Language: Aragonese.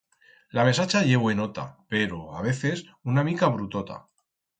La mesacha ye buenota pero, a veces, una mica brutota.